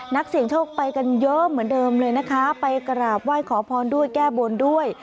นักเสี่ยงโชคไปกันเยอะเหมือนเดิมเลยนะคะไปกราบไหว้ขอพรด้วยแก้บนด้วย